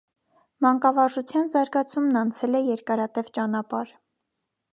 Մանկավարժության զարգացումն անցել է երկարատև ճանապարհ։